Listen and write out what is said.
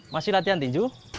masih latihan tinju